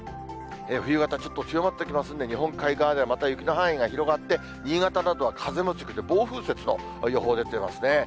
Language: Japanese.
冬型、ちょっと強まってきますんで、日本海側ではまた雪の範囲が広がって、新潟などは風も強くて、暴風雪と予報出てますね。